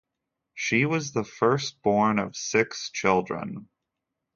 She was the first born of six children.